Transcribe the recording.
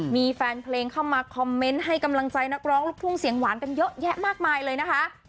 มีแฟนเพลงเข้ามาคอมเมนต์ให้กำลังใจนักร้องลูกทุ่งเสียงหวานกันเยอะแยะมากมายเลยนะคะ